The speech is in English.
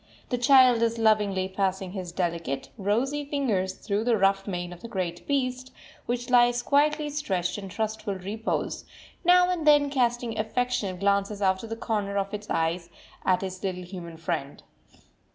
The child is lovingly passing his delicate, rosy fingers through the rough mane of the great beast, which lies quietly stretched in trustful repose, now and then casting affectionate glances out of the corner of its eyes at its little human friend.